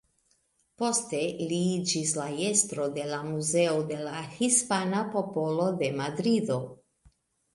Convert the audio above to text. Poste li iĝis la estro de la Muzeo de la Hispana Popolo de Madrido.